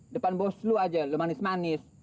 depan bos lu aja lu manis manis